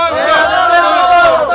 tuh tuh tuh